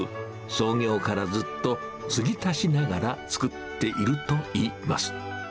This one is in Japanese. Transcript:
創業からずっと継ぎ足しながら作っているといいます。